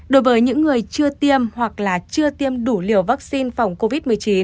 đối với những người chưa tiêm hoặc là chưa tiêm đủ liều vaccine phòng covid một mươi chín